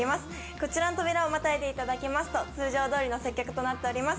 こちらの扉をまたいでいただきますと通常どおりの接客となっております。